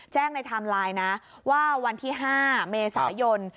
ในไทม์ไลน์นะว่าวันที่๕เมษายน